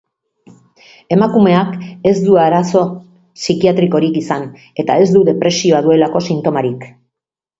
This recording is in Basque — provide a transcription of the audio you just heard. Emakumeak ez du arazo psikiatrikorik izan eta ez du depresioa duelako sintomarik.